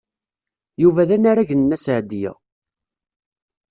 Yuba d anarag n Nna Seɛdiya.